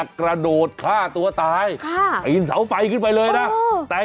กระโดดฆ่าตัวตายค่ะปีนเสาไฟขึ้นไปเลยนะแต่